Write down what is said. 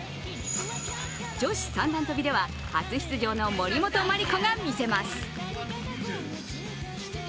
女子三段跳では初出場の森本麻里子がみせます。